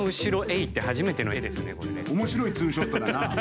おもしろいツーショットだな。